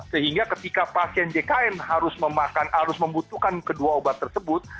sehingga ketika pasien jkn harus membutuhkan kedua obat tersebut